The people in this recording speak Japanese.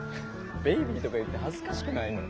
ベイビーとか言って恥ずかしくないの？